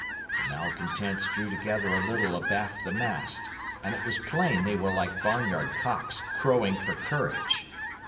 The malcontents drew together a little abaft the mast, and it was plain they were like barnyard cocks, "crowing for courage."